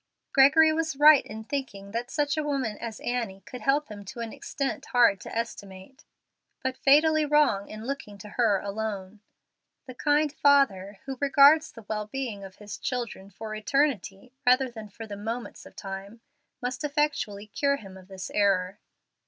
Gregory was right in thinking that such a woman as Annie could help him to an extent hard to estimate, but fatally wrong in looking to her alone. The kind Father who regards the well being of His children for eternity rather than for the moments of time, must effectually cure him of this error.